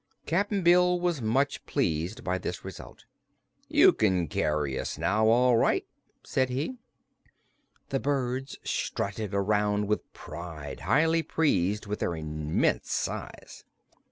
Cap'n Bill was much pleased by this result. "You can carry us now, all right," said he. The birds strutted around with pride, highly pleased with their immense size.